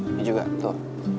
ini juga tuh